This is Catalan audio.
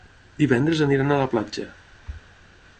Divendres aniran a la platja.